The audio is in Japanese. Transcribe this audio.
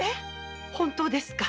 本当ですか？